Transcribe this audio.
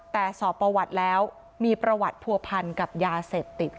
แต่สอบประวัติแล้วมีประวัติผัวพันกับยาเสพติด